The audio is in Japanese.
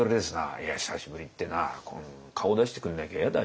「いや久しぶりってな顔出してくんなきゃ嫌だよ。